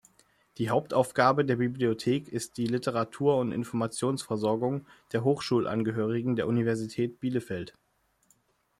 Die Hauptaufgabe der Bibliothek ist die Literatur- und Informationsversorgung der Hochschulangehörigen der Universität Bielefeld.